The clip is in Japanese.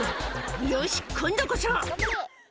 「よし今度こそ！」